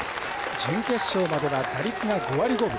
準決勝までは打率が５割５分。